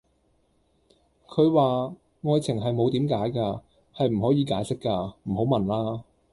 佢話:愛情係冇點解架,係唔可以解釋架,唔好問啦